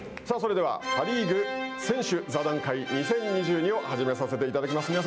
さあそれではパ・リーグ選手座談会２０２２を始めさせていただきます。